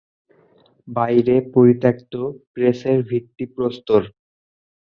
বাইরে, পরিত্যক্ত, প্রেসের ভিত্তি প্রস্তর।